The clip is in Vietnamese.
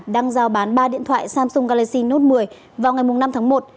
đang giao bán ba điện thoại samsung galaxy note một mươi vào ngày năm tháng một